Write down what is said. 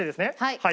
はい。